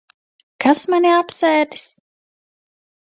Kas mani apsēdis?